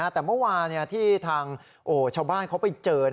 แต่เมื่อวานที่ทางชาวบ้านเขาไปเจอ